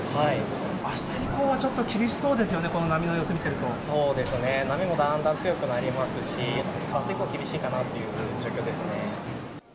あした以降はちょっと厳しそうですよね、そうですね、波もだんだん強くなりますし、あす以降はちょっと厳しいかなという状況ですね。